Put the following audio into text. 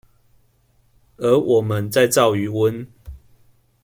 而我們在造魚塭